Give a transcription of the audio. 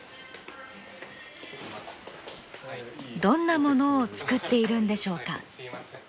どんなものを作っているんでしょうか。